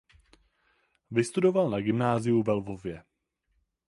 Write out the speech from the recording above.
Vystudoval na gymnáziu ve Lvově.